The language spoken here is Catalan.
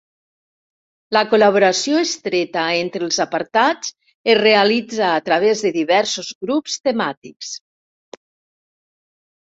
La col·laboració estreta entre els apartats es realitza a través de diversos grups temàtics.